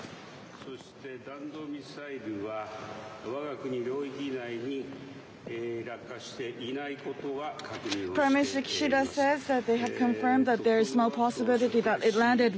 そして弾道ミサイルは、わが国領域内に落下していないことは確認をしています。